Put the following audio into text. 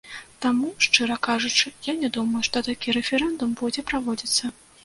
Таму, шчыра кажучы, я не думаю, што такі рэферэндум будзе праводзіцца.